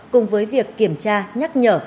cùng với việc kiểm tra nhắc nhở